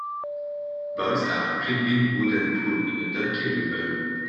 Boys are climbing wooden poles in a dirty river.